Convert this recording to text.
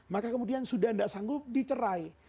maka kemudian sudah tidak sanggup dicerai